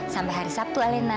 sampai hari sabtu alena